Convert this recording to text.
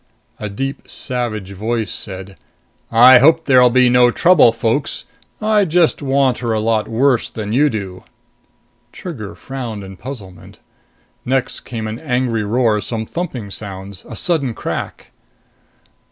A deep, savage voice said, "I hope there'll be no trouble, folks. I just want her a lot worse than you do." Trigger frowned in puzzlement. Next came an angry roar, some thumping sounds, a sudden crack.